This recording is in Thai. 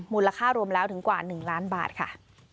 มูลค่ารวมแล้วถึงกว่า๑ล้านบาทค่ะ